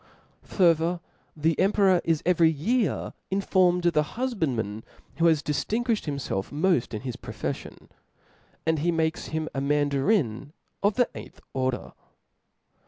Farther, the emperor is every year informed of the hufbandman, who has diflingui(hed himfelf mod: in his profeflion ; and he makes him a Mandarin of the eighth order.